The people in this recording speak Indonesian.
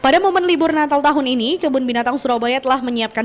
pada momen libur natal tahun ini kebun binatang surabaya telah menyiapkan